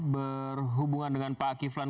berhubungan dengan pak akiflan